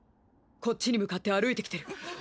こっちに向かって歩いてきてる。